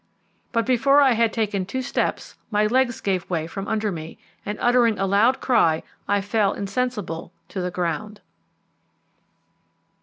But before I had taken two steps my legs gave way from under me, and uttering a loud cry I fell insensible to the ground.